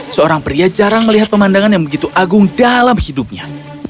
seorang pria jarang melihat pemandangan yang begitu agung dalam hidupnya